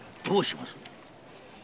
どうします？